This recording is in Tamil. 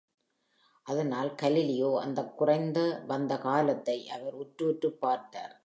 அதனால், கலீலியோ அந்தக் குறைந்து வந்த காலத்தை அவர் உற்று உற்றுப் பர்த்தார்!